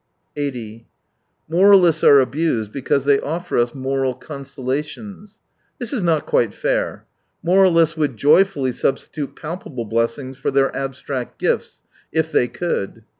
... 80 Moralists are ,abused because they offer us " moral consolations." This is not quite fair. Moralists would joyfully substitute palpable blessings for their abstract gifts, if they could.